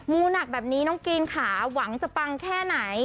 ูหนักแบบนี้น้องกรีนค่ะหวังจะปังแค่ไหน